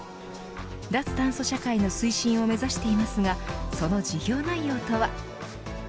脱炭素社会の推進を目指していますがその事業内容とは。